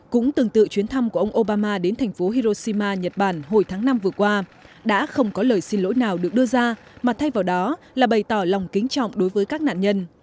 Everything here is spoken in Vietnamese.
cũng tương tự chuyến thăm của ông obama đến thành phố hiroshima nhật bản hồi tháng năm vừa qua đã không có lời xin lỗi nào được đưa ra mà thay vào đó là bày tỏ lòng kính trọng đối với các nạn nhân